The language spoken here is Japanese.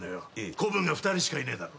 子分が２人しかいねえだろ。